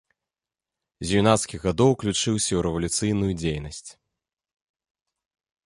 З юнацкіх гадоў уключыўся ў рэвалюцыйную дзейнасць.